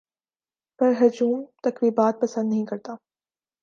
پر ہجوم تقریبات پسند نہیں کرتا